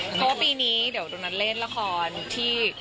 เพราะว่าปีนี้เดี๋ยวตรงนั้นเล่นละครที่